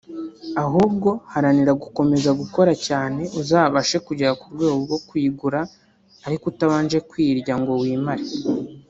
ahubwo haranira gukomeza gukora cyane uzabashe kugera ku rwego rwo kuyigura ariko utabanje kwirya ngo wimare